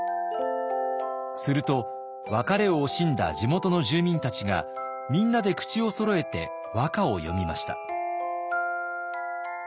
すると別れを惜しんだ地元の住民たちがみんなで口をそろえて和歌を詠みました。